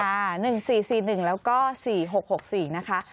๑๔๔๑แล้วก็๔๖๖๔นะคะ